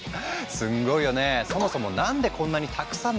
すんごいよねえ。